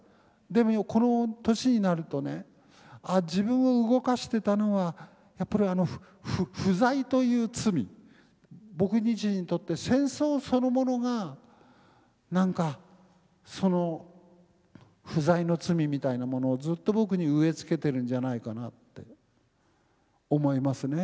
でもこの年になるとね自分を動かしてたのはやっぱり不在という罪僕自身にとって戦争そのものが何かその不在の罪みたいなものをずっと僕に植え付けてるんじゃないかなって思いますね。